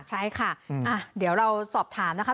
ใช่ค่ะเดี๋ยวเราสอบถามนะคะ